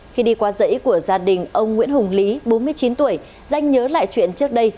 khi đi qua dãy của gia đình ông nguyễn hùng lý bốn mươi chín tuổi danh nhớ lại chuyện trước đây